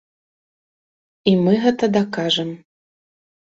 І мы гэта дакажам!